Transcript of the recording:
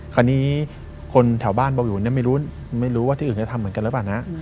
คราวนี้คนแถวบ้านเบาวิวไม่รู้ว่าที่อื่นจะทำเหมือนกันหรือเปล่านะ